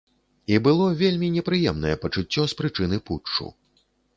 І было вельмі непрыемнае пачуццё з прычыны путчу.